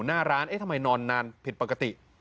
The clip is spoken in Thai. หน้าร้านเอ๊ะทำไมนอนนานผิดปกติ